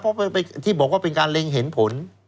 เพราะที่บอกว่าเป็นการเล็งเห็นผล